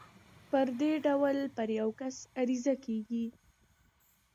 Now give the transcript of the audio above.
په دې ډول کې پر يو کس عريضه کېږي.